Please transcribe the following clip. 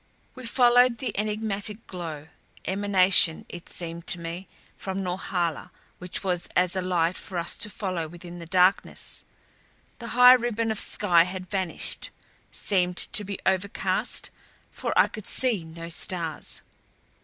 We followed the enigmatic glow emanation, it seemed to me from Norhala which was as a light for us to follow within the darkness. The high ribbon of sky had vanished seemed to be overcast, for I could see no stars.